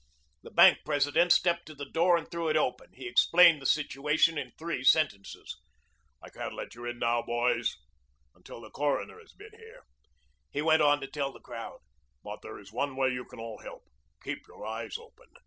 The bank president stepped to the door and threw it open. He explained the situation in three sentences. "I can't let you in now, boys, until the coroner has been here," he went on to tell the crowd. "But there is one way you can all help. Keep your eyes open.